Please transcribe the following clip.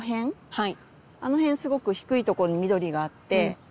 はい。